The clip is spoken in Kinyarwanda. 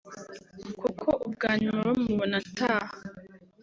kuko ubwa nyuma bamubona ataha